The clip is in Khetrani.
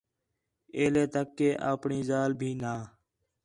ایلے تک کہ اپݨی ذالیک بھی نَہ